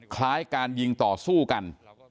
คล้ายการยิงต่อสู้กัน